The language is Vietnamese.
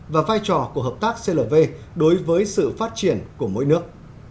và vai trò của hợp tác clv đối với sự phát triển của mỗi nước